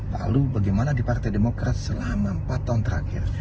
lalu bagaimana di partai demokrat selama empat tahun terakhir